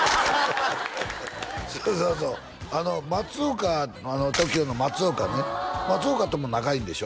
そうそうそう松岡ＴＯＫＩＯの松岡ね松岡とも仲いいんでしょ？